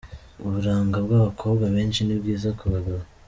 Uburanga bw’abakobwa benshi ni bwiza ku bagabo.